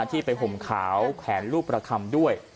ที่ไปห่มขาวแขนลูกประคำด้วย